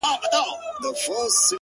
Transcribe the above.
• اوس هم زما د وجود ټوله پرهرونه وايي،